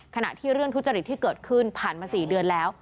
ขณะที่เรื่องทุจริตที่เกิดขึ้นผ่านมา๔เดือนแล้ว